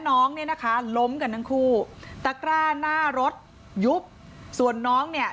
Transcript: น้องเนี่ยนะคะล้มกันทั้งคู่ตะกร้าหน้ารถยุบส่วนน้องเนี่ย